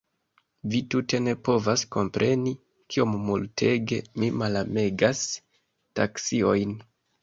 Vi tute ne povas kompreni, kiom multege mi malamegas taksiojn.